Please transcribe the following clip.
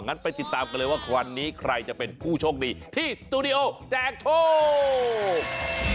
ไปติดตามกันเลยว่าวันนี้ใครจะเป็นผู้โชคดีที่สตูดิโอแจกโชค